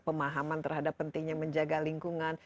pemahaman terhadap pentingnya menjaga lingkungan